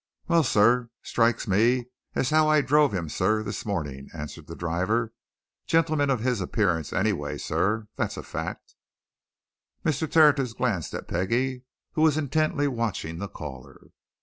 "Well, sir strikes me as how I drove him, sir, this morning," answered the driver. "Gentleman of his appearance, anyway, sir that's a fact!" Mr. Tertius glanced at Peggie, who was intently watching the caller.